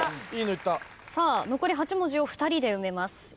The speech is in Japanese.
さあ残り８文字を２人で埋めます。